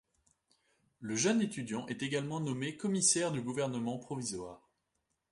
Le jeune étudiant est également nommé commissaire du gouvernement provisoire.